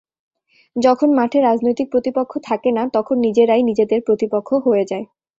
যখন মাঠে রাজনৈতিক প্রতিপক্ষ থাকে না, তখন নিজেরাই নিজেদের প্রতিপক্ষ হয়ে যায়।